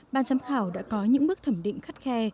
ban giám khảo đã có những bước thẩm định khắt khe